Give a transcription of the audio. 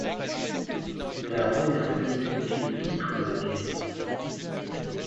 La première scène justifie le titre de la pièce.